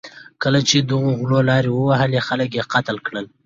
کله چې دغو غلو لارې ووهلې، خلک یې قتل کړل.